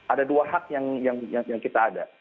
ada dua hak yang kita ada